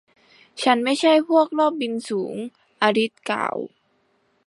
ฉันไม่ใช่พวกรอบบินสูง อลิซกล่าว